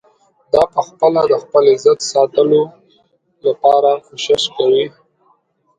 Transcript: ده په خپله د خپل عزت د ساتلو لپاره کوشش کاوه.